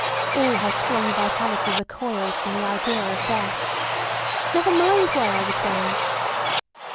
All her strong vitality recoiled from the idea of death. "Never mind where I was going.